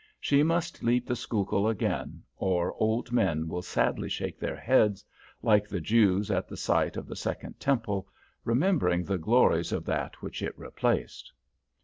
She must leap the Schuylkill again, or old men will sadly shake their heads, like the Jews at the sight of the second temple, remembering the glories of that which it replaced.